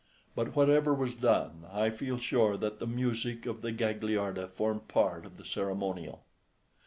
But whatever was done, I feel sure that the music of the Gagliarda formed part of the ceremonial.